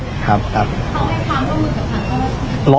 เขาให้ความร่วมมือกับท่านครับ